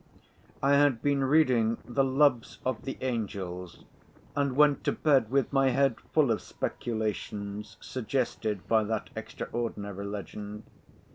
I had been reading the "Loves of the Angels," and went to bed with my head full of speculations, suggested by that extraordinary legend.